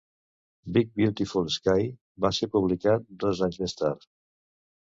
"Big Beautiful Sky" va ser publicat dos anys més tard.